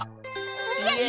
やった！